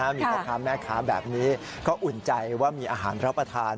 มีพ่อค้าแม่ค้าแบบนี้ก็อุ่นใจว่ามีอาหารรับประทาน